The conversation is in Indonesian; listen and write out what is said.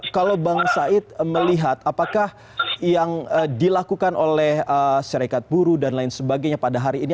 kalau bang said melihat apakah yang dilakukan oleh serikat buru dan lain sebagainya pada hari ini